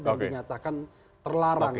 dan dinyatakan terlarang